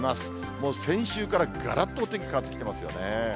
もう先週からがらっとお天気変わってきてますよね。